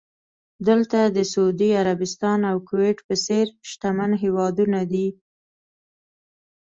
دلته د سعودي عربستان او کوېټ په څېر شتمن هېوادونه دي.